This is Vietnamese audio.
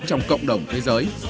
trong cộng đồng thế giới